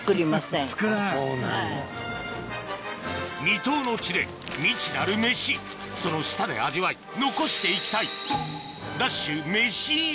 未踏の地で未知なるメシその舌で味わい残して行きたい